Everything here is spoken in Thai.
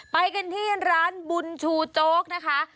ไปกันที่ร้านบุญชูโจ๊กนะคะ